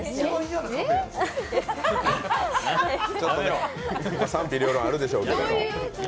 やめろ賛否両論あるでしょうけども。